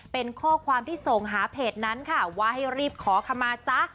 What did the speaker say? เป็นข้อความที่ส่งหาเพจนั้นค่ะว่าให้รีบขอขมาซะ